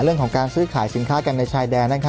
เรื่องของการซื้อขายสินค้ากันในชายแดน